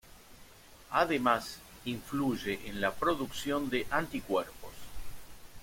Además, influye en la producción de anticuerpos.